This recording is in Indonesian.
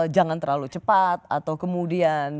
jangan terlalu cepat atau kemudian